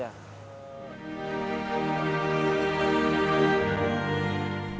saya ingin belajar di tempat ini